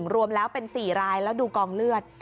รวมแล้วเป็น๔รายแล้วดูกองเลือด